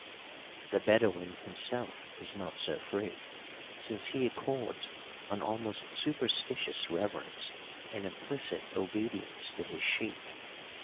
The Bedouin himself is not so free, since he accords an almost superstitious reverence and implicit obedience to his sheikh.